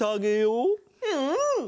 うん！